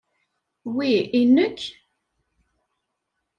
Wi i nekk?